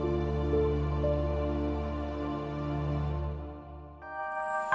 sebaiknya aku bersimpati untukmu mengingat lagu ini